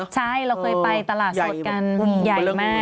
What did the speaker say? ใช่เราเป็นไปถ่ายกันเนาะ